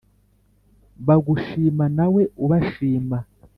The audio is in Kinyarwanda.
bagushima na we ubashima.